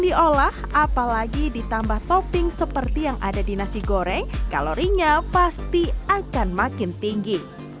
diolah apalagi ditambah topping seperti yang ada di nasi goreng kalorinya pasti akan makin tinggi